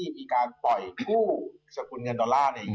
มีการปล่อยกู้สกุลเงินดอลลาร์